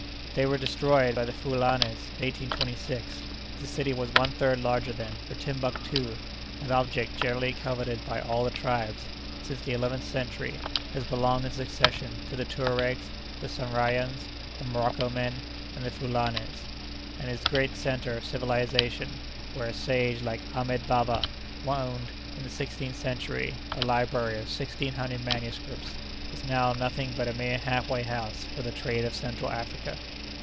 "They were destroyed by the Fouillanes in 1826; the city was one third larger then, for Timbuctoo, an object generally coveted by all the tribes, since the eleventh century, has belonged in succession to the Touaregs, the Sonrayans, the Morocco men, and the Fouillanes; and this great centre of civilization, where a sage like Ahmed Baba owned, in the sixteenth century, a library of sixteen hundred manuscripts, is now nothing but a mere half way house for the trade of Central Africa."